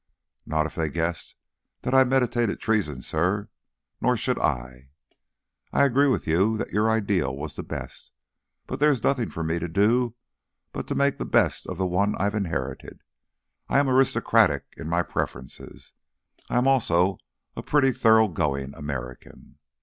"Not if they guessed that I meditated treason, sir. Nor should I. I agree with you that your ideal was the best, but there is nothing for me to do but to make the best of the one I've inherited. If I am aristocratic in my preferences, I am also a pretty thoroughgoing American."